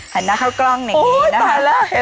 หันหน้าเข้ากล้องแบบนี้นะครับ